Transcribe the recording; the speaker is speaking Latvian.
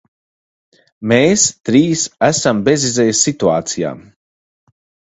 Mēs trīs esam bezizejas situācijā.